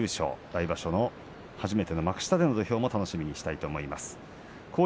来場所の初めての幕下での土俵楽しみにしたいと思います。